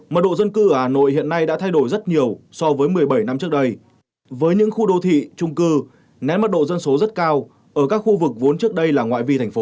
mật độ dân cư ở hà nội hiện nay đã thay đổi rất nhiều so với một mươi bảy năm trước đây với những khu đô thị trung cư nén mất độ dân số rất cao ở các khu vực vốn trước đây là ngoại vi